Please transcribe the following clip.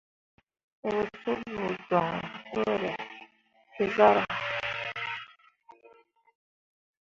Wǝ suɓu joŋ beere te zarah.